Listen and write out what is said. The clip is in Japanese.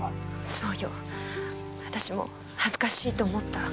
そうよ。あたしも恥ずかしいと思った。